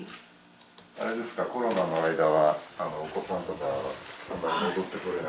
あれですかコロナの間はお子さんとかはあんまり戻ってこれなかったですか？